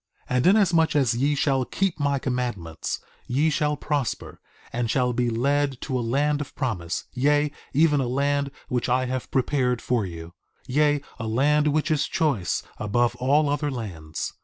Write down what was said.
2:20 And inasmuch as ye shall keep my commandments, ye shall prosper, and shall be led to a land of promise; yea, even a land which I have prepared for you; yea, a land which is choice above all other lands.